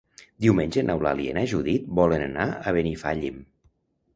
Diumenge n'Eulàlia i na Judit volen anar a Benifallim.